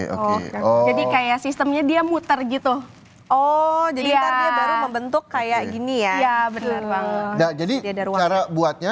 oke oh jadi kayak sistemnya dia muter gitu oh jadi membentuk kayak gini ya jadi cara buatnya